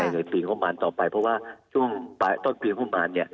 ในปีห้องมานต่อไปเพราะว่าต้นปีห้องมาน